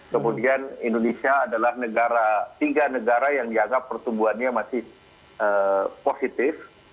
kemudian indonesia adalah negara tiga negara yang dianggap pertumbuhannya masih positif